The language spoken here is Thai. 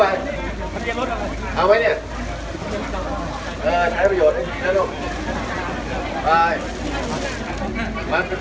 เอาไหมเนี่ยเออใช้ประโยชน์เอออ่ะ